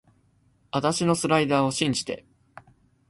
あたしのスライダーを信じて